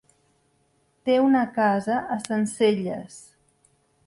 Té una casa a Sencelles.